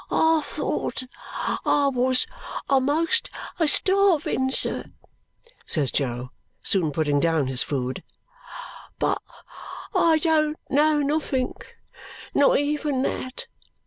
"I thought I was amost a starvin, sir," says Jo, soon putting down his food, "but I don't know nothink not even that.